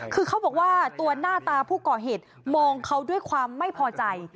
คือเขาบอกว่าตัวหน้าตาผู้ก่อเหตุมองเขาด้วยความไม่พอใจ